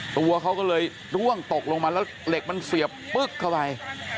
ตัวเขาก็เลยร่วงตกลงมาแล้วเหล็กมันเสียบปึ๊กเข้าไป